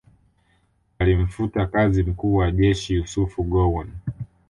Alimfuta kazi mkuu wa jeshi Yusuf Gowon